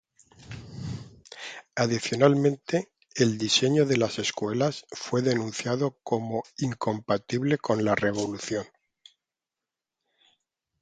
Adicionalmente, el diseño de las escuelas fue denunciado como incompatible con la Revolución.